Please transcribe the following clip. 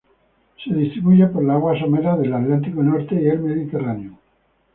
Se distribuye por las aguas someras del Atlántico norte y el Mediterráneo.